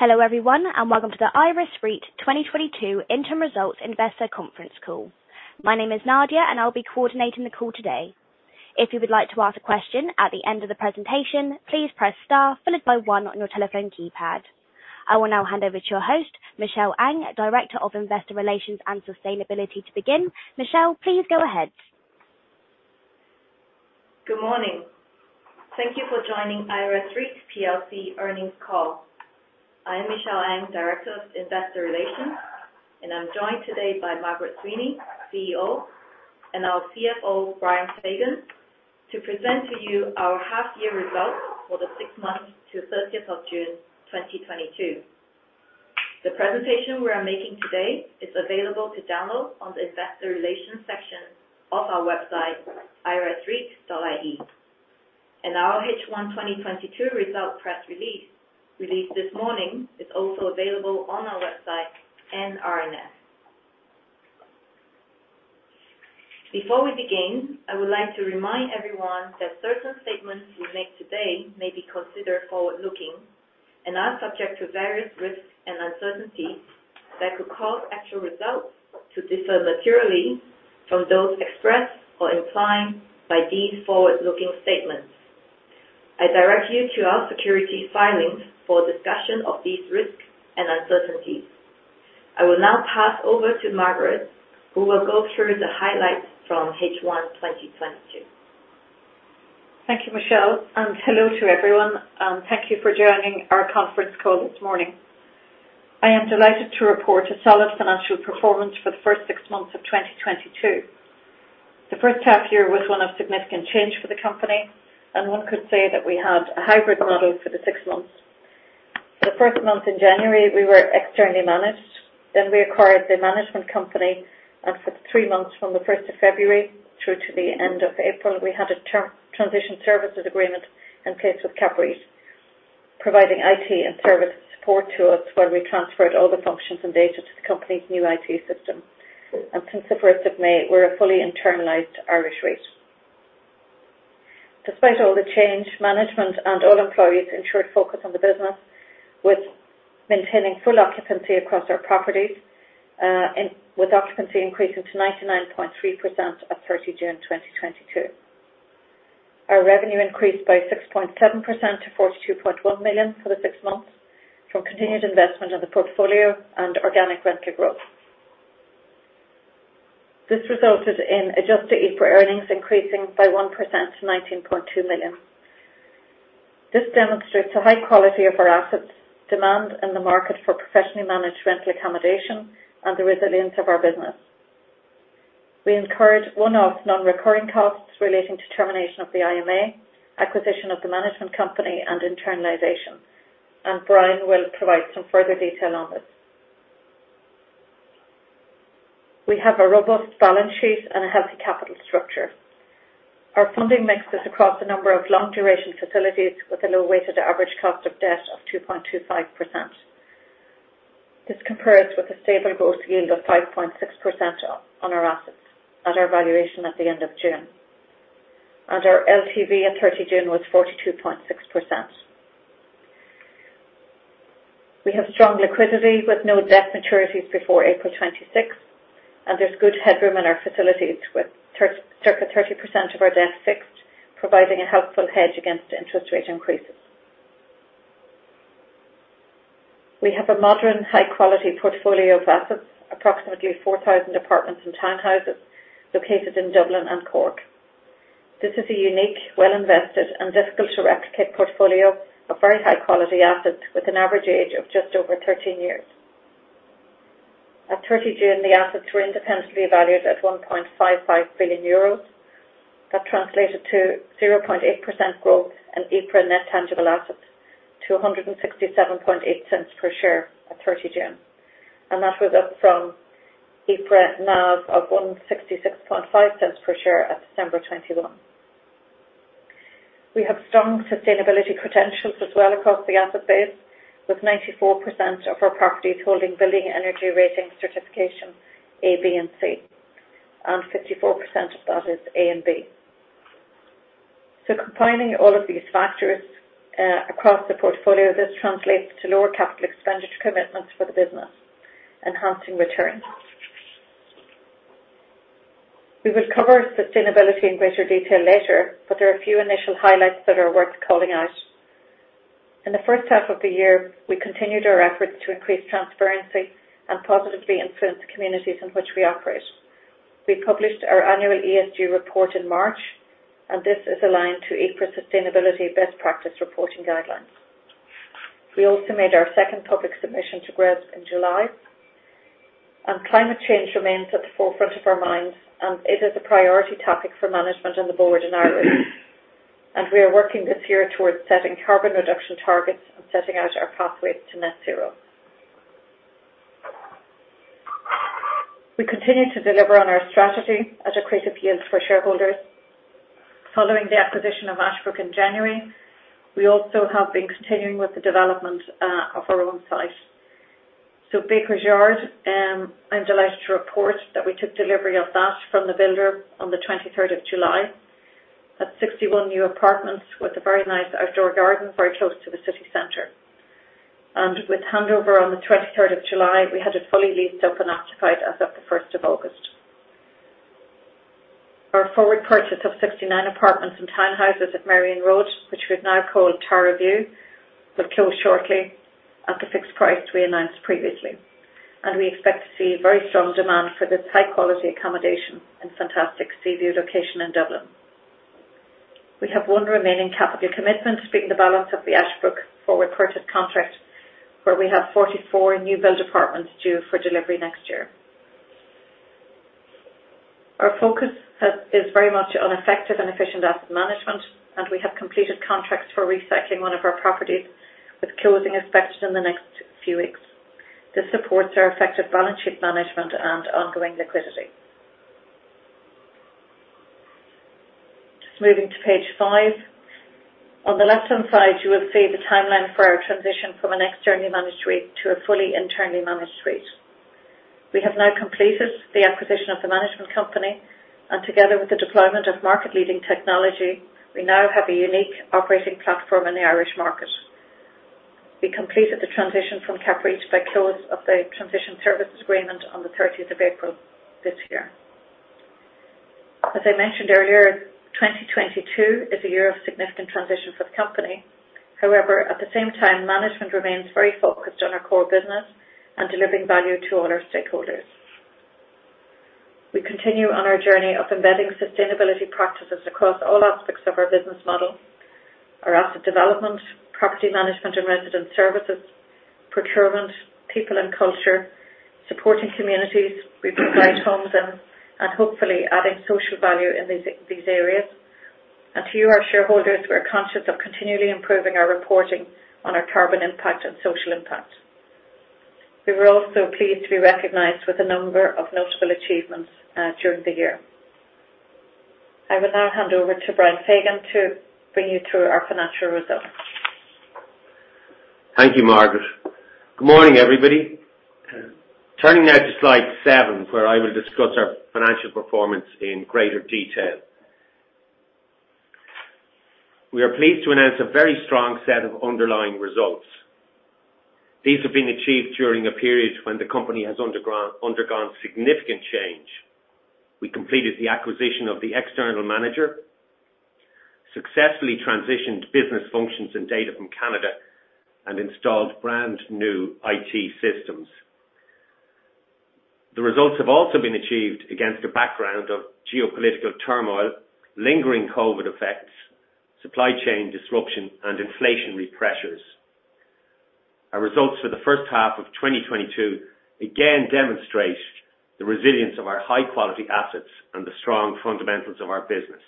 Hello, everyone, and welcome to the Irish REIT 2022 interim results investor conference call. My name is Nadia, and I'll be coordinating the call today. If you would like to ask a question at the end of the presentation, please press star followed by one on your telephone keypad. I will now hand over to your host, Michelle Ang, Director of Investor Relations and Sustainability to begin. Michelle, please go ahead. Good morning. Thank you for joining I-RES REIT PLC earnings call. I am Michelle Ang, Director of Investor Relations, and I'm joined today by Margaret Sweeney, CEO, and our CFO, Brian Fagan, to present to you our half-year results for the six months to June 30th, 2022. The presentation we are making today is available to download on the investor relations section of our website, iresreit.ie. Our H1 2022 result press release, released this morning, is also available on our website and RNS. Before we begin, I would like to remind everyone that certain statements we make today may be considered forward-looking and are subject to various risks and uncertainties that could cause actual results to differ materially from those expressed or implied by these forward-looking statements. I direct you to our securities filings for a discussion of these risks and uncertainties. I will now pass over to Margaret Sweeney, who will go through the highlights from H1 2022. Thank you, Michelle, and hello to everyone, and thank you for joining our conference call this morning. I am delighted to report a solid financial performance for the first six months of 2022. The first half year was one of significant change for the company, and one could say that we had a hybrid model for the six months. The first month in January, we were externally managed. Then we acquired the management company, and for the three months from the first of February through to the end of April, we had a transitional services agreement in place with CAPREIT, providing IT and service support to us while we transferred all the functions and data to the company's new IT system. Since the first of May, we're a fully internalized Irish REIT. Despite all the change, management and all employees ensured focus on the business with maintaining full occupancy across our properties, and with occupancy increasing to 99.3% at June 30th, 2022. Our revenue increased by 6.7% to 42.1 million for the six months from continued investment in the portfolio and organic rental growth. This resulted in adjusted EPRA earnings increasing by 1% to 19.2 million. This demonstrates the high quality of our assets, demand in the market for professionally managed rental accommodation, and the resilience of our business. We incurred one-off non-recurring costs relating to termination of the IMA, acquisition of the management company, and internalization. Brian will provide some further detail on this. We have a robust balance sheet and a healthy capital structure. Our funding mix is across a number of long-duration facilities with a low weighted average cost of debt of 2.25%. This compares with a stable gross yield of 5.6% on our assets at our valuation at the end of June. Our LTV at June 30th was 42.6%. We have strong liquidity with no debt maturities before April 26, 2026, and there's good headroom in our facilities with 30% of our debt fixed, providing a helpful hedge against interest rate increases. We have a modern high-quality portfolio of assets, approximately 4,000 apartments and townhouses located in Dublin and Cork. This is a unique, well-invested, and difficult-to-replicate portfolio of very high-quality assets with an average age of just over 13 years. At June 30th, the assets were independently valued at 1.55 billion euros. That translated to 0.8% growth in EPRA net tangible assets to 1.678 per share at June 30. That was up from EPRA NAV of 1.665 per share at December 2021. We have strong sustainability credentials as well across the asset base, with 94% of our properties holding Building Energy Rating certification A, B, and C, and 54% of that is A and B. Combining all of these factors, across the portfolio, this translates to lower capital expenditure commitments for the business, enhancing returns. We will cover sustainability in greater detail later, but there are a few initial highlights that are worth calling out. In the first half of the year, we continued our efforts to increase transparency and positively influence the communities in which we operate. We published our annual ESG report in March, and this is aligned to EPRA sustainability best practice reporting guidelines. We also made our second public submission to GRESB in July. Climate change remains at the forefront of our minds, and it is a priority topic for management and the board in Ireland. We are working this year towards setting carbon reduction targets and setting out our pathway to net zero. We continue to deliver on our strategy as accretive yield for shareholders. Following the acquisition of Ashbrook in January, we also have been continuing with the development of our own site. Baker's Yard, I'm delighted to report that we took delivery of that from the builder on the July 23rd. That's 61 new apartments with a very nice outdoor garden, very close to the city center. With handover on the July 23rd, we had it fully leased up and occupied as of the August 1st. Our forward purchase of 69 apartments and townhouses at Merrion Road, which we've now called Tara View, will close shortly at the fixed price we announced previously. We expect to see very strong demand for this high-quality accommodation and fantastic seaview location in Dublin. We have one remaining capital commitment, speaking the balance of the Ashbrook forward purchase contract, where we have 44 new build apartments due for delivery next year. Our focus is very much on effective and efficient asset management, and we have completed contracts for recycling one of our properties with closing expected in the next few weeks. This supports our effective balance sheet management and ongoing liquidity. Just moving to page five. On the left-hand side, you will see the timeline for our transition from an externally managed REIT to a fully internally managed REIT. We have now completed the acquisition of the management company, and together with the deployment of market-leading technology, we now have a unique operating platform in the Irish market. We completed the transition from CAPREIT by close of the transition services agreement on the April 30th this year. As I mentioned earlier, 2022 is a year of significant transition for the company. However, at the same time, management remains very focused on our core business and delivering value to all our stakeholders. We continue on our journey of embedding sustainability practices across all aspects of our business model. Our asset development, property management and resident services, procurement, people and culture, supporting communities we provide homes in, and hopefully adding social value in these areas. To you, our shareholders, we're conscious of continually improving our reporting on our carbon impact and social impact. We were also pleased to be recognized with a number of notable achievements during the year. I will now hand over to Brian Fagan to bring you through our financial results. Thank you, Margaret. Good morning, everybody. Turning now to slide seven, where I will discuss our financial performance in greater detail. We are pleased to announce a very strong set of underlying results. These have been achieved during a period when the company has undergone significant change. We completed the acquisition of the external manager, successfully transitioned business functions and data from Canada, and installed brand new IT systems. The results have also been achieved against a background of geopolitical turmoil, lingering COVID effects, supply chain disruption, and inflationary pressures. Our results for the first half of 2022 again demonstrate the resilience of our high-quality assets and the strong fundamentals of our business.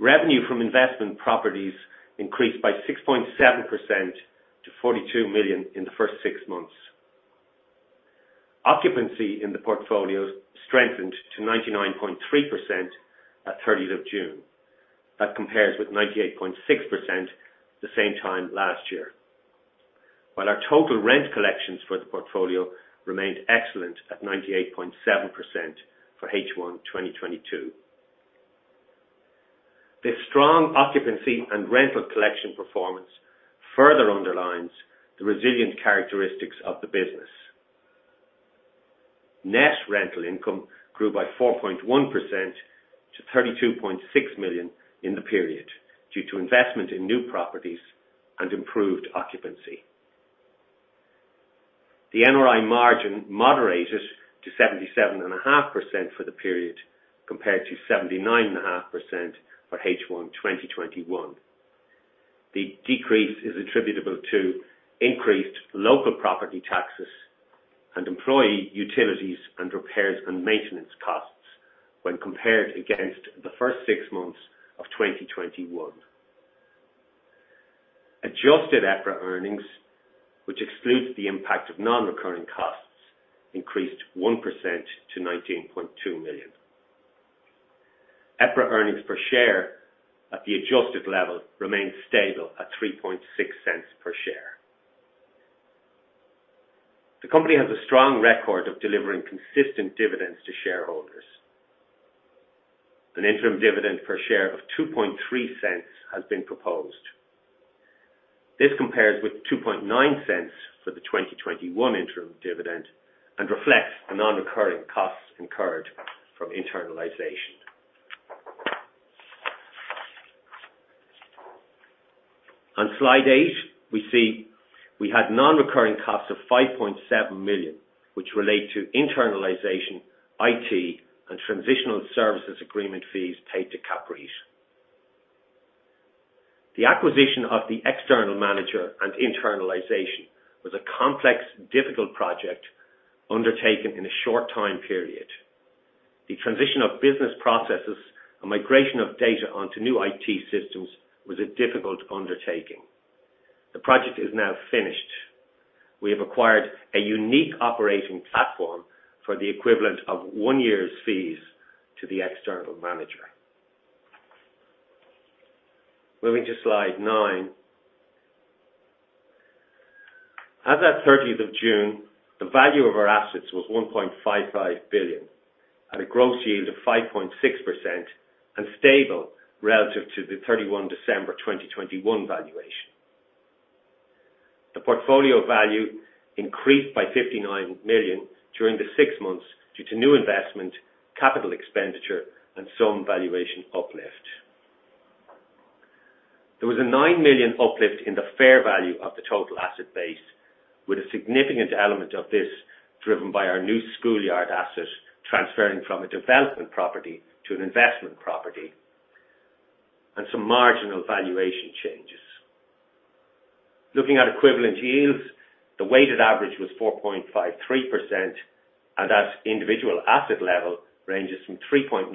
Revenue from investment properties increased by 6.7% to 42 million in the first six months. Occupancy in the portfolios strengthened to 99.3% at June 30th. That compares with 98.6% the same time last year. While our total rent collections for the portfolio remained excellent at 98.7% for H1 2022. The strong occupancy and rental collection performance further underlines the resilient characteristics of the business. Net rental income grew by 4.1% to 32.6 million in the period, due to investment in new properties and improved occupancy. The NRI margin moderated to 77.5% for the period, compared to 79.5% for H1 2021. The decrease is attributable to increased local property taxes and employee utilities and repairs and maintenance costs when compared against the first six months of 2021. Adjusted EPRA earnings, which excludes the impact of non-recurring costs, increased 1% to 19.2 million. EPRA earnings per share at the adjusted level remains stable at 0.036 per share. The company has a strong record of delivering consistent dividends to shareholders. An interim dividend per share of 0.023 has been proposed. This compares with 0.029 for the 2021 interim dividend and reflects the non-recurring costs incurred from internalization. On slide eight, we see we had non-recurring costs of 5.7 million, which relate to internalization, IT, and transitional services agreement fees paid to CapREIT. The acquisition of the external manager and internalization was a complex, difficult project undertaken in a short time period. The transition of business processes and migration of data onto new IT systems was a difficult undertaking. The project is now finished. We have acquired a unique operating platform for the equivalent of one year's fees to the external manager. Moving to slide nine. As at June 30th, the value of our assets was 1.55 billion at a gross yield of 5.6% and stable relative to the December 31 2021 valuation. The portfolio value increased by 59 million during the six months due to new investment, capital expenditure, and some valuation uplift. There was a 9 million uplift in the fair value of the total asset base, with a significant element of this driven by our new School Yard asset transferring from a development property to an investment property and some marginal valuation changes. Looking at equivalent yields, the weighted average was 4.53%, and at individual asset level ranges from 3.9%-5.41%.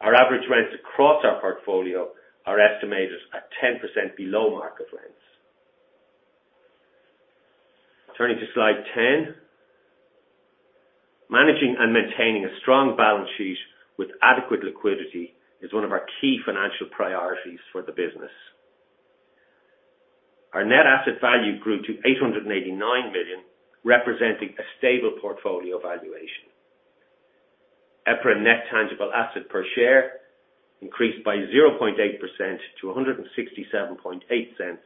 Our average rents across our portfolio are estimated at 10% below market rents. Turning to slide 10. Managing and maintaining a strong balance sheet with adequate liquidity is one of our key financial priorities for the business. Our net asset value grew to 889 million, representing a stable portfolio valuation. EPRA Net Tangible Assets per share increased by 0.8% to 1.678,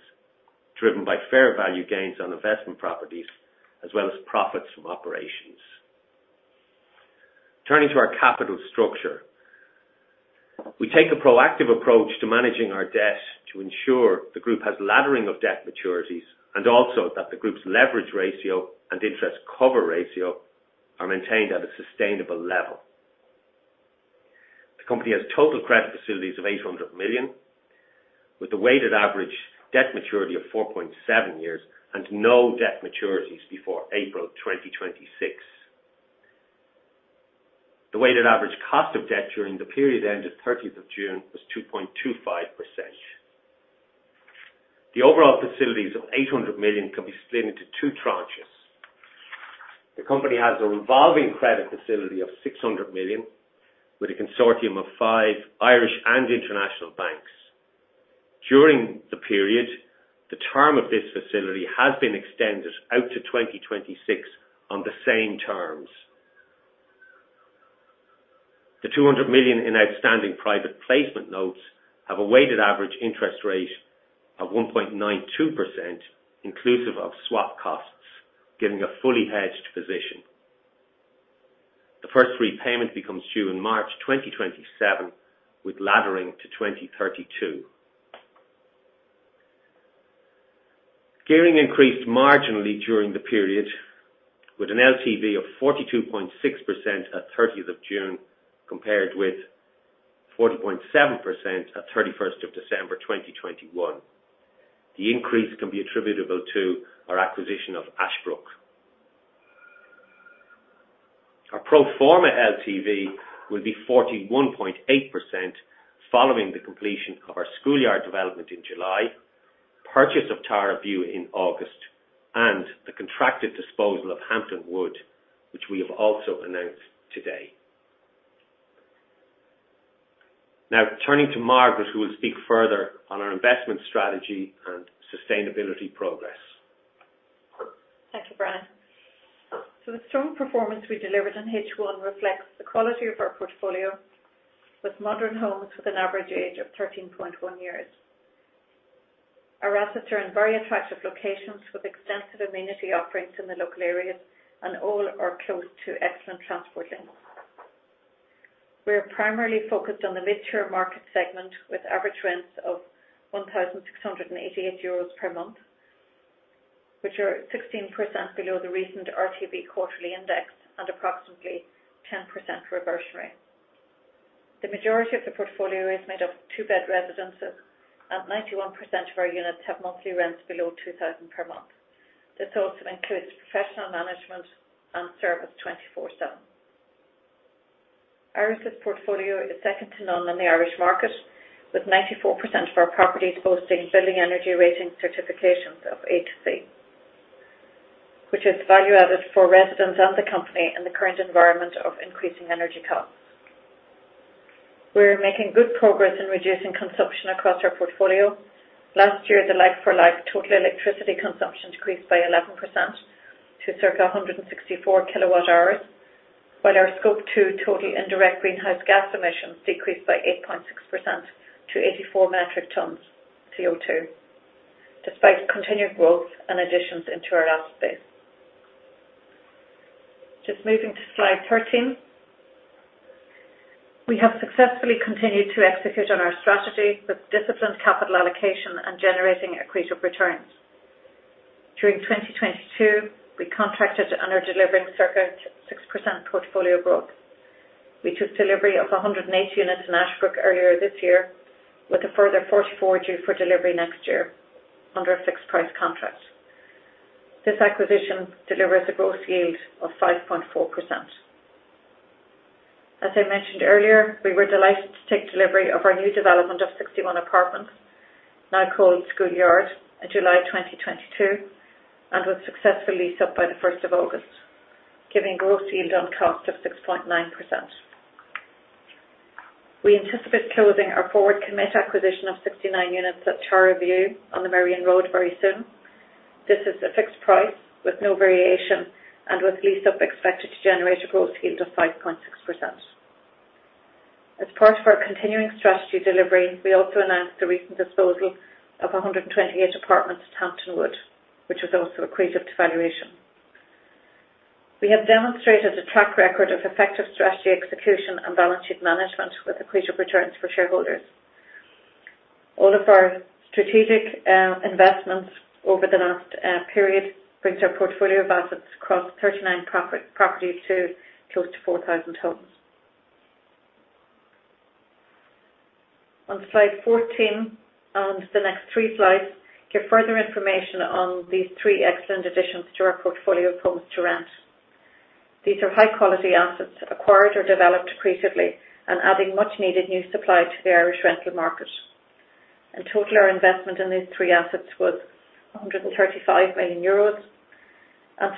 driven by fair value gains on investment properties as well as profits from operations. Turning to our capital structure. We take a proactive approach to managing our debt to ensure the group has laddering of debt maturities and also that the group's leverage ratio and interest cover ratio are maintained at a sustainable level. The company has total credit facilities of 800 million, with a weighted average debt maturity of 4.7 years and no debt maturities before April 2026. The weighted average cost of debt during the period end of June 30th was 2.25%. The overall facilities of 800 million can be split into two tranches. The company has a revolving credit facility of 600 million with a consortium of five Irish and international banks. During the period, the term of this facility has been extended out to 2026 on the same terms. The 200 million in outstanding private placement notes have a weighted average interest rate of 1.92% inclusive of swap costs, giving a fully hedged position. The first repayment becomes due in March 2027, with laddering to 2032. Gearing increased marginally during the period, with an LTV of 42.6% at June 30th, compared with 40.7% at December 31st 2021. The increase can be attributable to our acquisition of Ashbrook. Our pro forma LTV will be 41.8% following the completion of our School Yard development in July, purchase of Tara View in August, and the contracted disposal of Hampton Wood, which we have also announced today. Now turning to Margaret, who will speak further on our investment strategy and sustainability progress. Thank you, Brian. The strong performance we delivered in H1 reflects the quality of our portfolio with modern homes with an average age of 13.1 years. Our assets are in very attractive locations with extensive amenity offerings in the local areas, and all are close to excellent transport links. We are primarily focused on the mid-tier market segment with average rents of 1,688 euros per month, which are 16% below the recent RTB quarterly index and approximately 10% reversionary. The majority of the portfolio is made of two-bed residences at 91% of our units have monthly rents below 2,000 per month. This also includes professional management and service 24/7. I-RES's portfolio is second to none in the Irish market, with 94% of our properties boasting Building Energy Rating certifications of A to C, which is value-added for residents and the company in the current environment of increasing energy costs. We're making good progress in reducing consumption across our portfolio. Last year, the like-for-like total electricity consumption decreased by 11% to circa 164 kWh, while our Scope 2 total indirect greenhouse gas emissions decreased by 8.6% to 84 metric tons CO2. Despite continued growth and additions into our asset base. Just moving to slide 13. We have successfully continued to execute on our strategy with disciplined capital allocation and generating accretive returns. During 2022, we contracted and are delivering circa 6% portfolio growth. We took delivery of 108 units in Ashbrook earlier this year, with a further 44 due for delivery next year under a fixed price contract. This acquisition delivers a gross yield of 5.4%. As I mentioned earlier, we were delighted to take delivery of our new development of 61 apartments. Now called The School Yard in July 2022, and was successfully leased up by the first of August, giving gross yield on cost of 6.9%. We anticipate closing our forward commit acquisition of 69 units at Tara View on the Merrion Road very soon. This is a fixed price with no variation, and with lease-up expected to generate a gross yield of 5.6%. As part of our continuing strategy delivery, we also announced the recent disposal of 128 apartments at Hampton Wood, which was also accretive to valuation. We have demonstrated a track record of effective strategy execution and balance sheet management with accretive returns for shareholders. All of our strategic investments over the last period brings our portfolio of assets across 39 properties to close to 4,000 homes. On slide 14 and the next three slides give further information on these three excellent additions to our portfolio of homes to rent. These are high-quality assets acquired or developed accretively and adding much-needed new supply to the Irish rental market. In total, our investment in these three assets was 135 million euros.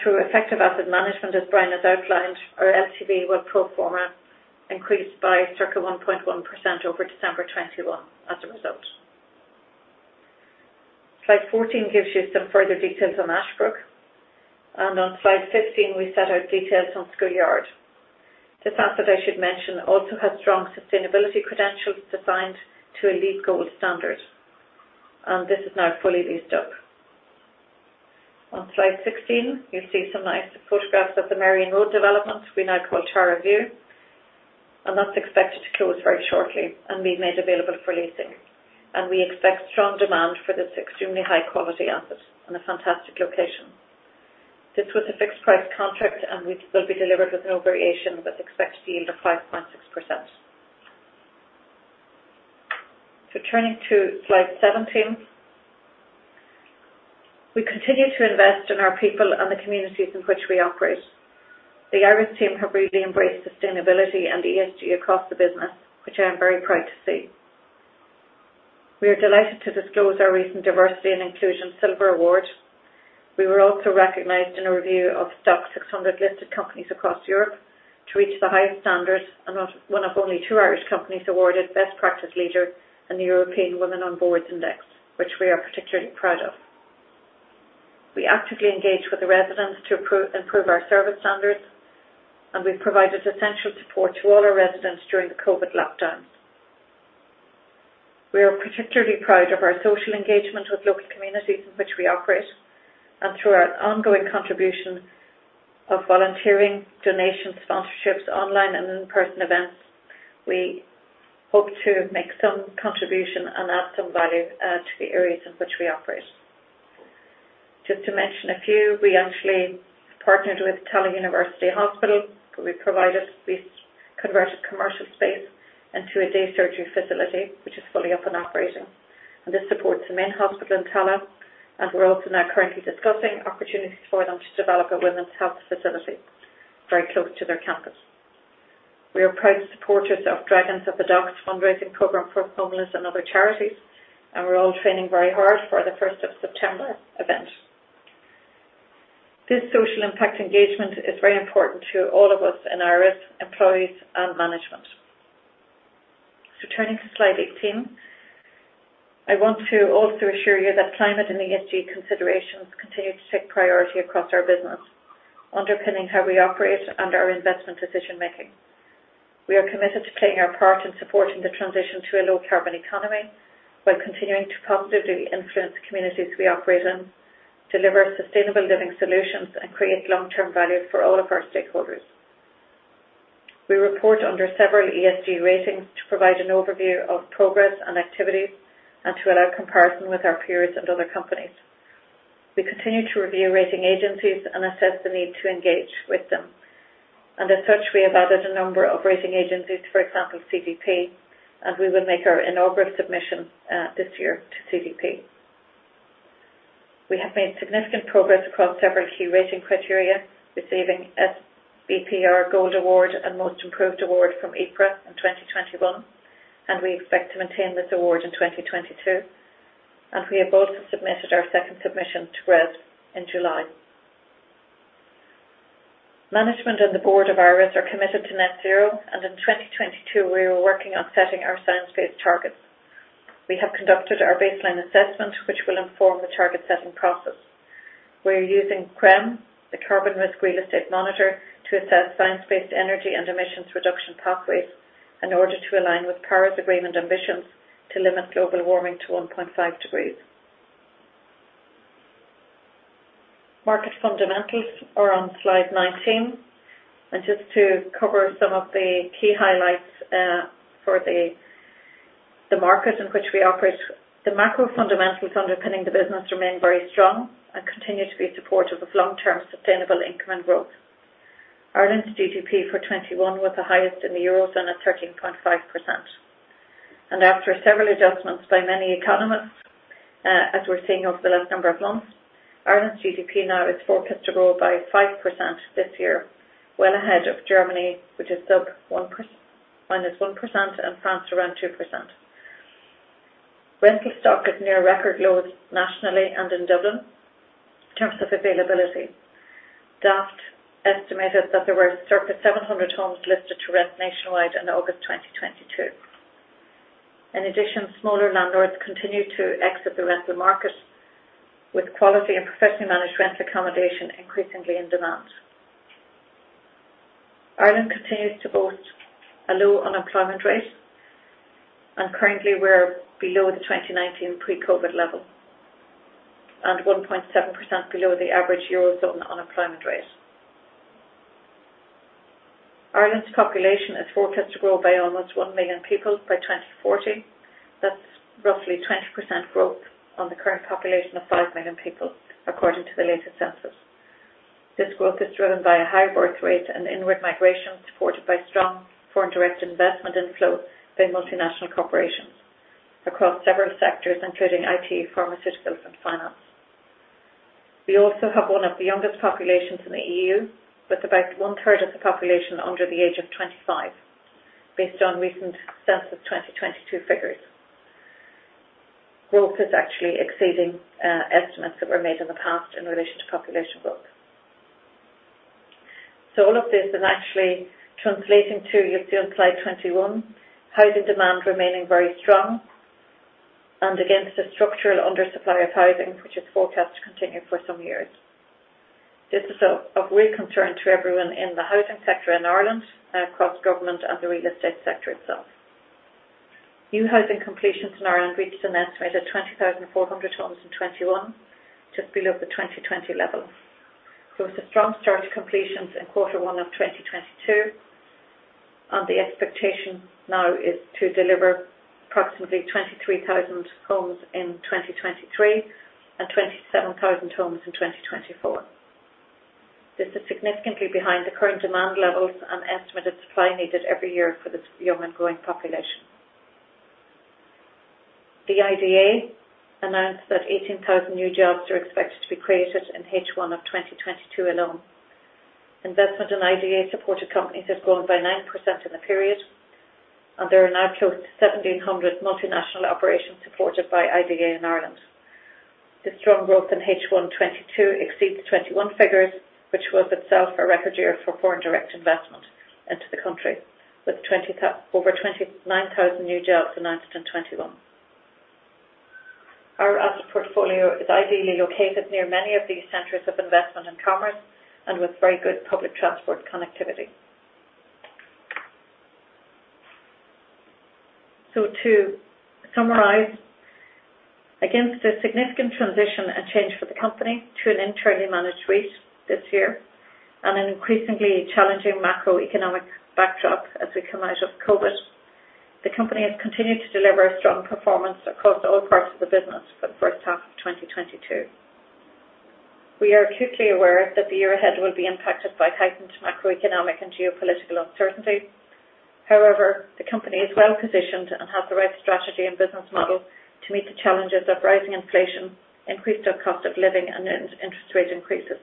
Through effective asset management, as Brian has outlined, our LTV was pro forma increased by circa 1.1% over December 2021 as a result. Slide 14 gives you some further details on Ashbrook, and on slide 15 we set out details on The School Yard. This asset, I should mention, also has strong sustainability credentials designed to a LEED Gold standard, and this is now fully leased up. On slide 16, you'll see some nice photographs of the Merrion Road development we now call Tara View, and that's expected to close very shortly and be made available for leasing. We expect strong demand for this extremely high-quality asset in a fantastic location. This was a fixed-price contract, and we will be delivered with no variation, with expected yield of 5.6%. Turning to slide 17. We continue to invest in our people and the communities in which we operate. The I-RES team have really embraced sustainability and ESG across the business, which I am very proud to see. We are delighted to disclose our recent Diversity and Inclusion Silver Award. We were also recognized in a review of STOXX 600 listed companies across Europe to reach the highest standards, one of only two Irish companies awarded Best Practice Leader in the European Women on Boards Index, which we are particularly proud of. We actively engage with the residents to improve our service standards, and we've provided essential support to all our residents during the COVID lockdowns. We are particularly proud of our social engagement with local communities in which we operate. Through our ongoing contribution of volunteering, donations, sponsorships, online and in-person events, we hope to make some contribution and add some value to the areas in which we operate. Just to mention a few, we actually partnered with Tallaght University Hospital. We converted commercial space into a day surgery facility, which is fully up and operating. This supports the main hospital in Tallaght, and we're also now currently discussing opportunities for them to develop a women's health facility very close to their campus. We are proud supporters of Dragons at the Docks fundraising program for homeless and other charities, and we're all training very hard for the first of September event. This social impact engagement is very important to all of us in I-RES employees and management. Turning to slide 18, I want to also assure you that climate and ESG considerations continue to take priority across our business, underpinning how we operate and our investment decision-making. We are committed to playing our part in supporting the transition to a low-carbon economy while continuing to positively influence the communities we operate in, deliver sustainable living solutions, and create long-term value for all of our stakeholders. We report under several ESG ratings to provide an overview of progress and activities and to allow comparison with our peers and other companies. We continue to review rating agencies and assess the need to engage with them. As such, we have added a number of rating agencies, for example, CDP, and we will make our inaugural submission this year to CDP. We have made significant progress across several key rating criteria, receiving sBPR Gold Award and Most Improved Award from EPRA in 2021, and we expect to maintain this award in 2022. We have also submitted our second submission to GRESB in July. Management and the board of I-RES are committed to net zero, and in 2022 we were working on setting our science-based targets. We have conducted our baseline assessment, which will inform the target-setting process. We're using CRREM, the Carbon Risk Real Estate Monitor, to assess science-based energy and emissions reduction pathways in order to align with Paris Agreement ambitions to limit global warming to 1.5 degrees. Market fundamentals are on slide 19. Just to cover some of the key highlights, for the market in which we operate. The macro fundamentals underpinning the business remain very strong and continue to be supportive of long-term sustainable income and growth. Ireland's GDP for 2021 was the highest in the Eurozone at 13.5%. After several adjustments by many economists, as we're seeing over the last number of months, Ireland's GDP now is forecast to grow by 5% this year, well ahead of Germany, which is sub 1%. -1% in France, around 2%. Rental stock is near record lows nationally and in Dublin in terms of availability. Daft estimated that there were fewer than 700 homes listed to rent nationwide in August 2022. In addition, smaller landlords continue to exit the rental market, with quality and professionally managed rental accommodation increasingly in demand. Ireland continues to boast a low unemployment rate, and currently we're below the 2019 pre-COVID level, and 1.7% below the average Eurozone unemployment rate. Ireland's population is forecast to grow by almost 1 million people by 2040. That's roughly 20% growth on the current population of 5 million people according to the latest census. This growth is driven by a high birth rate and inward migration, supported by strong foreign direct investment inflow by multinational corporations across several sectors including IT, pharmaceuticals, and finance. We also have one of the youngest populations in the EU, with about one-third of the population under the age of 25, based on recent census 2022 figures. Growth is actually exceeding estimates that were made in the past in relation to population growth. All of this is actually translating to, you'll see on slide 21, housing demand remaining very strong and against a structural undersupply of housing, which is forecast to continue for some years. This is of real concern to everyone in the housing sector in Ireland across government and the real estate sector itself. New housing completions in Ireland reached an estimated 20,400 homes in 2021 to below the 2020 level. It's a strong start to completions in quarter one of 2022, and the expectation now is to deliver approximately 23,000 homes in 2023 and 27,000 homes in 2024. This is significantly behind the current demand levels and estimated supply needed every year for this young and growing population. The IDA announced that 18,000 new jobs are expected to be created in H1 of 2022 alone. Investment in IDA-supported companies has grown by 9% in the period, and there are now close to 1,700 multinational operations supported by IDA in Ireland. The strong growth in H1 2022 exceeds 2021 figures, which was itself a record year for foreign direct investment into the country with over 29,000 new jobs announced in 2021. Our asset portfolio is ideally located near many of these centers of investment and commerce and with very good public transport connectivity. To summarize, against a significant transition and change for the company to an internally managed REIT this year and an increasingly challenging macroeconomic backdrop as we come out of COVID, the company has continued to deliver a strong performance across all parts of the business for the first half of 2022. We are acutely aware that the year ahead will be impacted by heightened macroeconomic and geopolitical uncertainty. However, the company is well positioned and has the right strategy and business model to meet the challenges of rising inflation, increased cost of living, and then interest rate increases,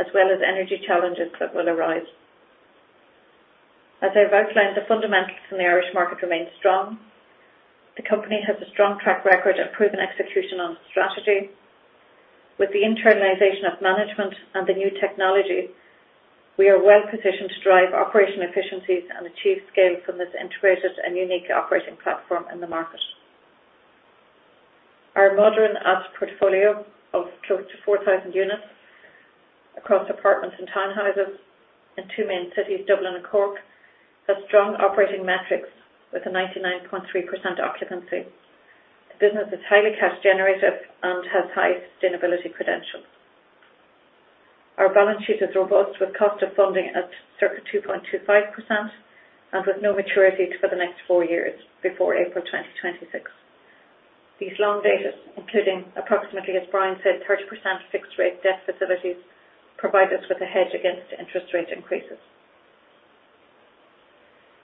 as well as energy challenges that will arise. As I've outlined, the fundamentals in the Irish market remain strong. The company has a strong track record of proven execution on its strategy. With the internalization of management and the new technology, we are well positioned to drive operational efficiencies and achieve scale from this integrated and unique operating platform in the market. Our modern asset portfolio of close to 4,000 units across apartments and townhouses in two main cities, Dublin and Cork, has strong operating metrics with a 99.3% occupancy. The business is highly cash generative and has high sustainability credentials. Our balance sheet is robust with cost of funding at circa 2.25% and with no maturities for the next four years before April 2026. These long dates, including approximately, as Brian said, 30% fixed rate debt facilities, provide us with a hedge against interest rate increases.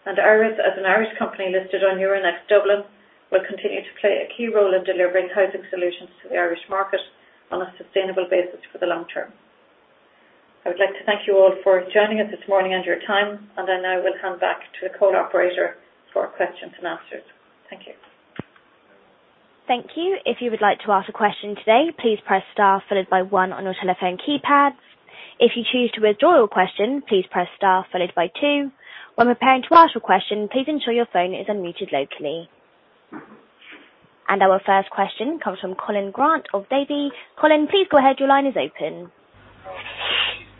I-RES, as an Irish company listed on Euronext Dublin, will continue to play a key role in delivering housing solutions to the Irish market on a sustainable basis for the long term. I would like to thank you all for joining us this morning and your time. Now we'll hand back to the call operator for questions and answers. Thank you. Thank you. If you would like to ask a question today, please press star followed by one on your telephone keypad. If you choose to withdraw your question, please press star followed by two. When preparing to ask your question, please ensure your phone is unmuted locally. Our first question comes from Colin Grant of Davy. Colin, please go ahead. Your line is open.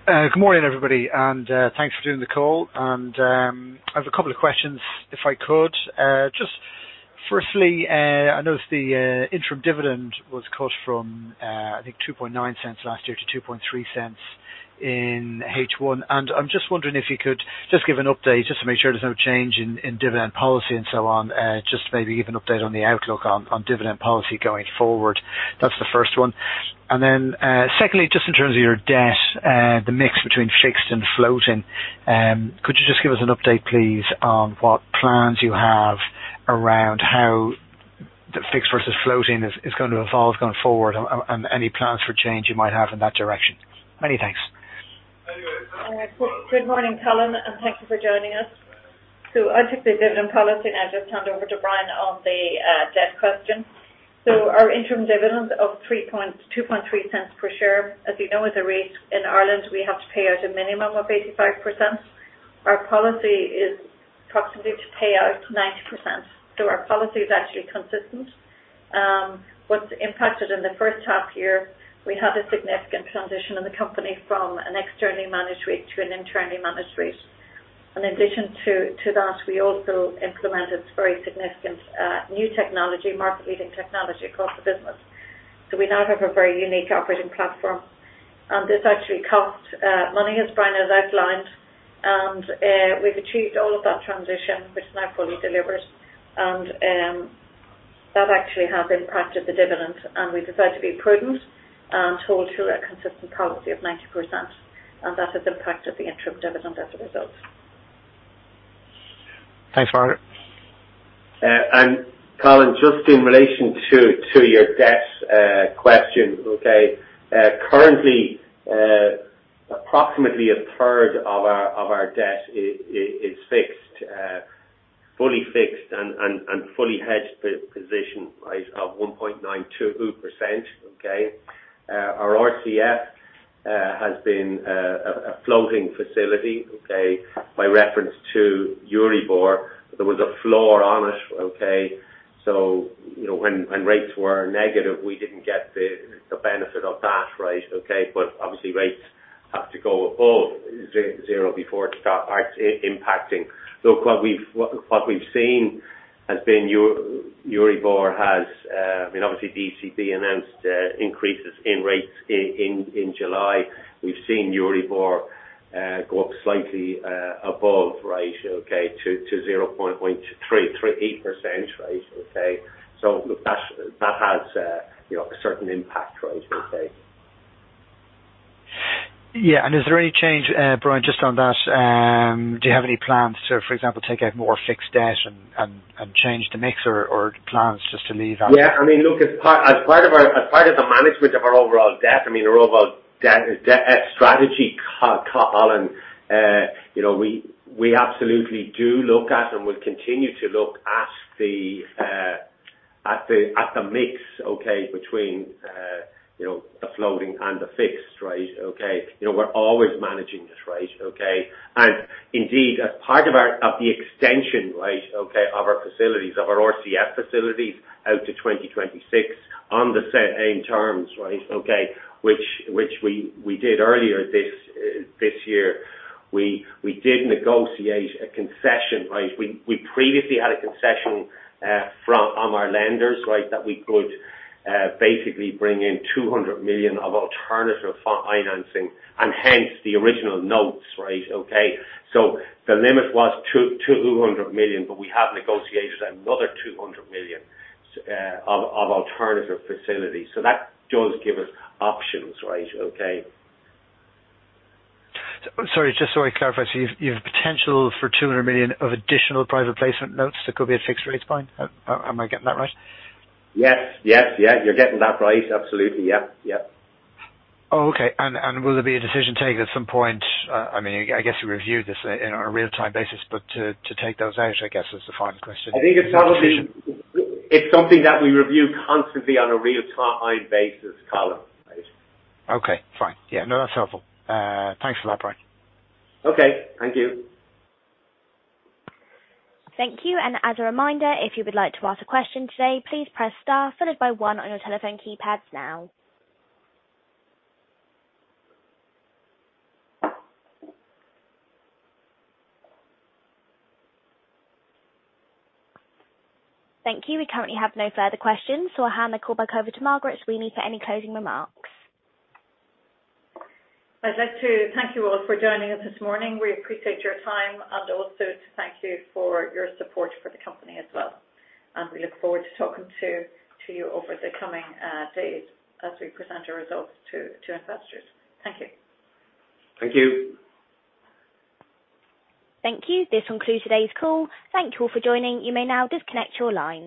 Good morning, everybody, and thanks for doing the call. I have a couple of questions if I could. Just firstly, I noticed the interim dividend was cut from, I think 0.029 last year to 0.023 in H1. I'm just wondering if you could just give an update just to make sure there's no change in dividend policy and so on, just maybe give an update on the outlook on dividend policy going forward. That's the first one. Secondly, just in terms of your debt, the mix between fixed and floating, could you just give us an update, please, on what plans you have around how the fixed versus floating is going to evolve going forward and any plans for change you might have in that direction? Many thanks. Good morning, Colin, and thank you for joining us. I took the dividend policy, and I'll just hand over to Brian on the debt question. Our interim dividend of $2.3 per share, as you know, as a REIT in Ireland, we have to pay out a minimum of 85%. Our policy is approximately to pay out 90%. Our policy is actually consistent. What's impacted in the first half year, we had a significant transition in the company from an externally managed REIT to an internally managed REIT. In addition to that, we also implemented very significant new technology, market-leading technology across the business. We now have a very unique operating platform, and this actually cost money, as Brian has outlined. We've achieved all of that transition, which is now fully delivered. that actually has impacted the dividend. We prefer to be prudent and hold to a consistent policy of 90%, and that has impacted the interim dividend as a result. Thanks, Margaret. Colin, just in relation to your debt question, okay. Currently, approximately a third of our debt is fixed, fully fixed and fully hedged position, right, of 1.92%. Okay. Our RCF has been a floating facility, okay, by reference to Euribor. There was a floor on it. Okay. You know, when rates were negative, we didn't get the benefit of that. Right. Okay. Obviously rates have to go above zero before it starts impacting. Look, what we've seen has been Euribor has. I mean, obviously ECB announced increases in rates in July. We've seen Euribor go up slightly above right okay to 0.2338%. Right. Okay. Look, that has, you know, a certain impact, right. Okay. Yeah. Is there any change, Brian, just on that, do you have any plans to, for example, take out more fixed debt and change the mix or the plans just to leave that? I mean, look, as part of the management of our overall debt strategy, Colin, you know, we absolutely do look at, and we'll continue to look at the mix, okay, between you know, the floating and the fixed, right. Okay. You know, we're always managing it, right. Okay. Indeed, as part of the extension, right, okay, of our RCF facilities out to 2026 on the same terms, right. Okay. Which we did earlier this year. We did negotiate a concession, right. We previously had a concession from our lenders, right, that we could basically bring in 200 million of alternative financing and hence the original notes, right. Okay. The limit was 200 million, but we have negotiated another 200 million of alternative facilities. That does give us options, right? Okay. Sorry, just so I clarify. You've potential for 200 million of additional private placement notes that could be at fixed rates. Fine. Am I getting that right? Yes. Yes. Yes. You're getting that right. Absolutely. Yeah. Yeah. Oh, okay. Will there be a decision taken at some point, I mean, I guess you review this in a real-time basis, but to take those out, I guess, is the final question? I think it's probably. Decision. It's something that we review constantly on a real-time basis, Colin. Right. Okay. Fine. Yeah. No, that's helpful. Thanks for that, Brian. Okay. Thank you. Thank you. As a reminder, if you would like to ask a question today, please press star followed by one on your telephone keypads now. Thank you. We currently have no further questions, so I'll hand the call back over to Margaret Sweeney for any closing remarks. I'd like to thank you all for joining us this morning. We appreciate your time and also to thank you for your support for the company as well. We look forward to talking to you over the coming days as we present our results to investors. Thank you. Thank you. Thank you. This will conclude today's call. Thank you all for joining. You may now disconnect your lines.